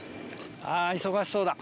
あぁ忙しそうだ。